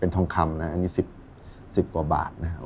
เป็นทองคำนะครับอันนี้สิบกว่าบาทนะครับ